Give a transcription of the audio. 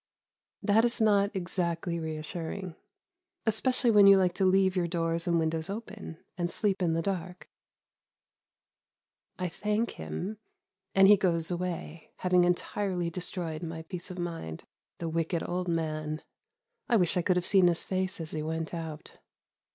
That is not exactly reassuring, especially when you like to leave your doors and windows open, and sleep in the dark. I thank him, and he goes away, having entirely destroyed my peace of mind. The wicked old man! I wish I could have seen his face as he went out.